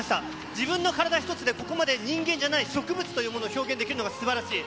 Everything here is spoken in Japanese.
自分の体一つでここまで人間じゃない、植物というものを表現できるのがすばらしい。